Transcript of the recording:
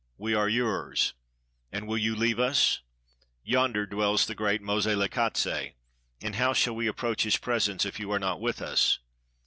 We are yours; and will you leave us? Yonder dwells the great Moselekatse; and how shall we approach his presence if you are not with us?